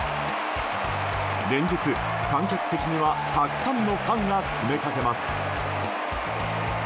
連日、観客席にはたくさんのファンが詰めかけます。